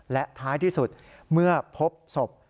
และท้ายที่สุดเมื่อพบศพ